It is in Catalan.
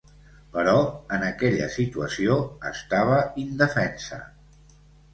Però en aquella situació, estava indefensa.